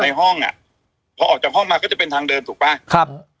ห้องอ่ะพอออกจากห้องมาก็จะเป็นทางเดินถูกป่ะครับ